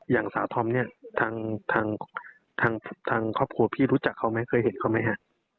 อย่างสาวทอมเนี่ยทางครอบครัวพี่รู้จักเขาไหมเคยเห็นเขาไหมฮะ